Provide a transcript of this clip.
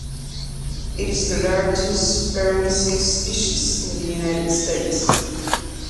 It is the largest "Peromyscus" species in the United States.